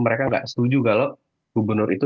mereka nggak setuju kalau gubernur itu